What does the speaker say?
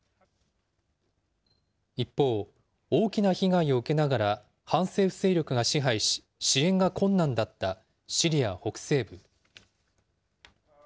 一方、大きな被害を受けながら、反政府勢力が支配し、支援が困難だったシリア北西部。